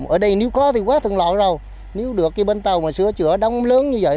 ở đây nếu có thì quá thường lội rồi nếu được bên tàu mà sửa chữa đóng lớn như vậy